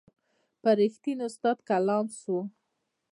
پر رښتین استاد کلام سو